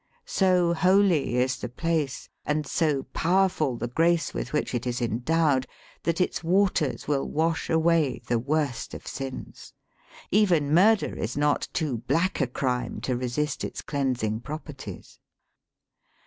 So holy is the place and so powerful the grace with which it is endowed, that its waters will wash away the worst of sins. Even murder is not too black a crime to resist its cleansing properties.